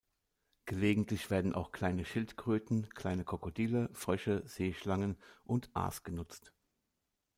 Gelegentlich werden auch kleine Schildkröten, kleine Krokodile, Frösche, Seeschlangen und Aas genutzt.